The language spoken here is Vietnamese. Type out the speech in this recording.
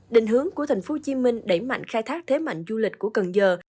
định hướng của tp hcm đẩy mạnh khai thác thế mạnh du lịch của cần giờ